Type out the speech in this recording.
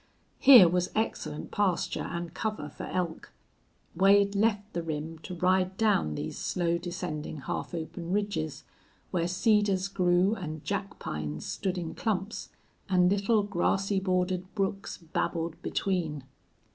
Here was excellent pasture and cover for elk. Wade left the rim to ride down these slow descending half open ridges, where cedars grew and jack pines stood in clumps, and little grassy bordered brooks babbled between.